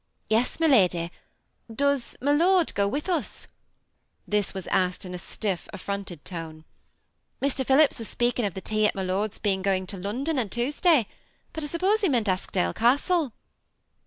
" Yes, my lady ; does my lord go with us ?'* This Was asked in a stiff, affironted tone. ^ Mr. Phillips was speaking at the tea of my lord's being going to London on Tuesday, but I suppose he meant' Eskdale Castle.